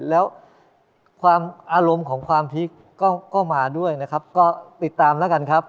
แล้วความอารมณ์ของความพลิกก็มาด้วยนะครับก็ติดตามแล้วกันครับ